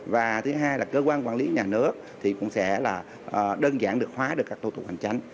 và thứ hai là cơ quan quản lý nhà nước thì cũng sẽ là đơn giản được hóa được các thủ tục hành chính